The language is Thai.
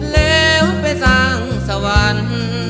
แล้วไปสร้างสวรรค์